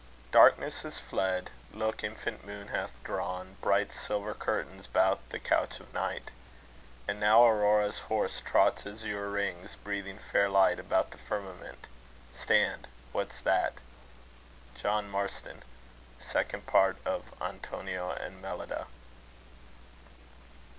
Darkness is fled: look, infant morn hath drawn Bright silver curtains 'bout the couch of night; And now Aurora's horse trots azure rings, Breathing fair light about the firmament. Stand; what's that? JOHN MARSTON. Second Part of Antonio and Mellida.